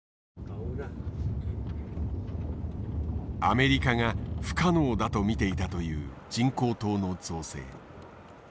アメリカが不可能だと見ていたという人工島の造成。